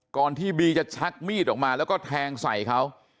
ก่อนที่บีจะชักมีดออกมาแล้วก็แทงใส่เขา